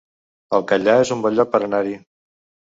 El Catllar es un bon lloc per anar-hi